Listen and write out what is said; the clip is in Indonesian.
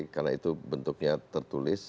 karena itu bentuknya tertulis